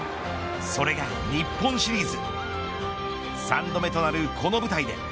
それが日本シリーズ。